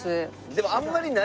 でもあんまりないでしょ？